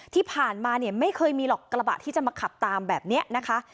ที่ผ่านมาเนี่ยไม่เคยมีหรอกกระบะที่จะมาขับตามแบบนี้นะคะ